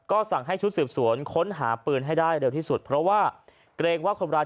ก็สั่งให้ชุดสืบสวนค้นหาปืนให้ได้เร็วที่สุดเพราะว่าเกรงว่าคนร้าย